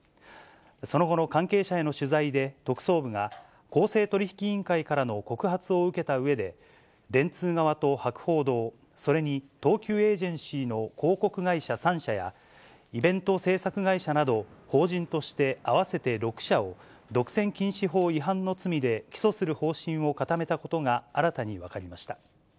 その後の関係者への取材で、特捜部が、公正取引委員会からの告発を受けたうえで、電通側と博報堂、それに東急エージェンシーの広告会社３社や、イベント制作会社など、法人として合わせて６社を、独占禁止法違反の罪で起訴する方針を固めたことが新たに分かりました。